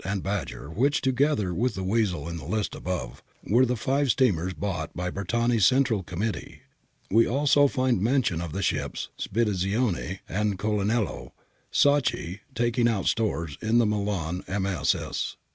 x\<\ Badger which, together with the Weasel in the list above, were the five steamers bought by Bertani's Central Committee {Ber tanis Reso. pp. 17 18). We also find mention of the ships Spedizione and Colonello Sacchi taking out stores, in the Milan MSS.